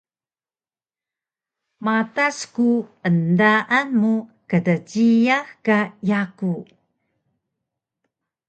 Matas ku endaan mu kdjiyax ka yaku